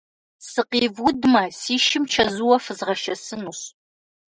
Сыкъивудмэ, си шым чэзуурэ фызгъэшэсынущ.